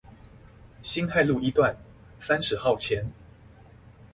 辛亥路一段三〇號前